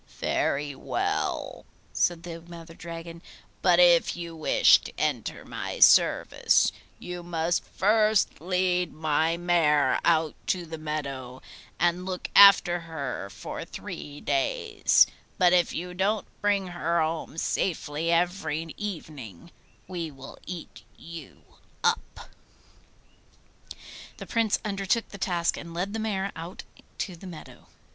'Very well,' said the Mother Dragon; 'but if you wish to enter my service, you must first lead my mare out to the meadow and look after her for three days; but if you don't bring her home safely every evening, we will eat you up.' The Prince undertook the task and led the mare out to the meadow.